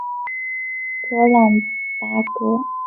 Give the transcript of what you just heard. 格朗达格。